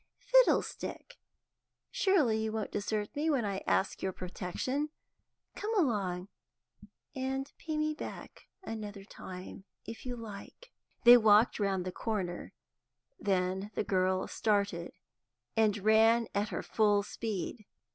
"Fiddlestick! Surely you won't desert me when I ask your protection? Come along, and pay me back another time, if you like." They walked round the corner, then the girl started and ran at her full speed.